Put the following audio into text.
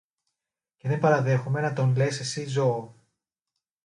Και δεν παραδέχομαι να τον λες εσύ ζώο.